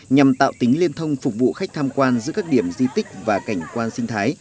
nhằm tạo tính liên thông phục vụ khách tham quan giữa các điểm di tích và cảnh quan sinh thái